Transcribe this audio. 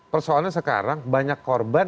persoalnya sekarang banyak korban